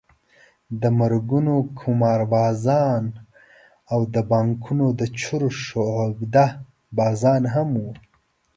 د مرګونو قماربازان او د بانکونو د چور شعبده بازان هم وو.